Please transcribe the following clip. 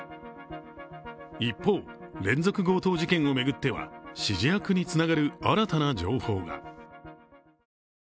一方、連続強盗事件を巡っては指示役につながる新たな情報が。